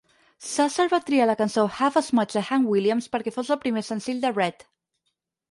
Susser va triar la cançó "Half As Much" de Hank Williams perquè fos el primer senzill de Redd.